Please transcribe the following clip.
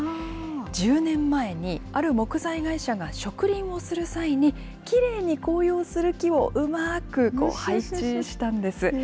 １０年前に、ある木材会社が植林をする際に、きれいに紅葉する木をうまく配置したんです。